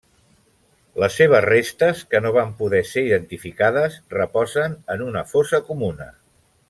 Les seves restes, que no van poder ser identificades, reposen en una fossa comuna.